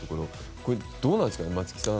どうなんですか、松木さん。